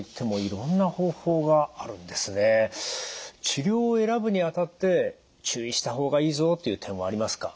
治療を選ぶにあたって注意した方がいいぞという点はありますか？